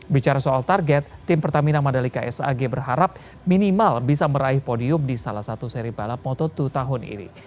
bicara soal target tim pertamina mandalika sag berharap minimal bisa meraih podium di salah satu seri balap moto dua tahun ini